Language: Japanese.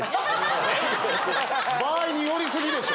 場合により過ぎでしょ！